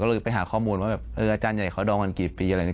ก็เลยไปหาข้อมูลว่าแบบเอออาจารย์ใหญ่เขาดองกันกี่ปีอะไรอย่างนี้